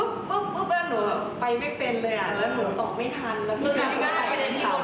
ต้องบอกพี่พี่ก่อนเลยนะคะว่าเป็นงานแสดงรู้